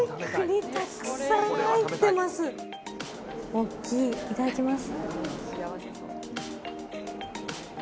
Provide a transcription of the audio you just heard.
大きい、いただきます。